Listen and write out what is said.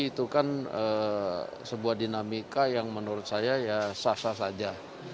itu kan sebuah dinamika yang menurut saya ya sah sah saja